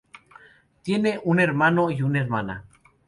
Tiene un hermano y una hermana.